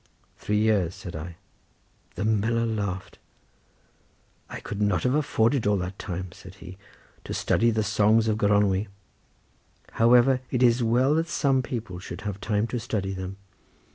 "Three years," said I. The miller laughed. "I could not have afforded all that time," said he, "to study the songs of Gronwy. However, it is well that some people should have time to study them.